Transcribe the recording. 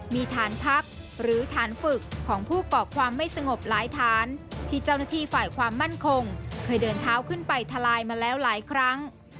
มีฐานพักหรือฐานฝึกของผู้ก่อความไม่สงบหลายฐานที่เจ้าหน้าที่ฝ่ายความมั่นคงเคยเดินเท้าขึ้นไปทลายมาแล้วหลายครั้ง